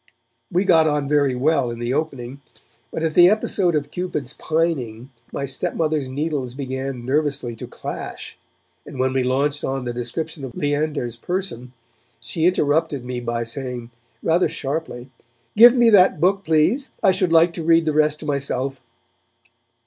We got on very well in the opening, but at the episode of Cupid's pining, my stepmother's needles began nervously to clash, and when we launched on the description of Leander's person, she interrupted me by saying, rather sharply, 'Give me that book, please, I should like to read the rest to myself.'